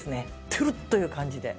つるっという感じで。